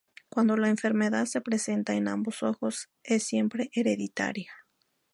Cuando la enfermedad se presenta en ambos ojos, es siempre hereditaria.